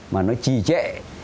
mà nó trì trệ